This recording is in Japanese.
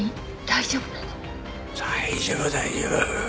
大丈夫大丈夫。